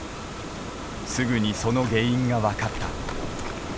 すぐにその原因が分かった。